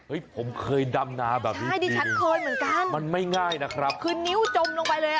เฮ้ยผมเคยดำนาแบบนี้ดีดูมันไม่ง่ายนะครับคือนิ้วจมลงไปเลย